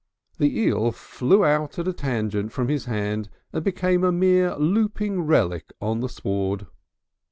The eel flew out at a tangent from his hand and became a mere looping relic on the sward.